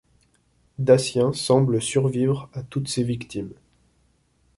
Dacien semble survivre à toutes ses victimes.